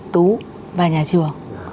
tú và nhà trường